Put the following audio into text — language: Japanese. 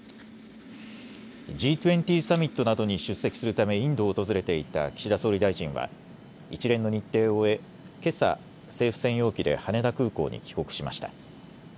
Ｇ２０サミットなどに出席するためインドを訪れていた岸田総理大臣は一連の日程を終えけさ、政府専用機で羽田空港に帰国しました。